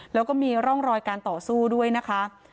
แล้วก็มีร่องรอยการต่อสู้ด้วยนะคะ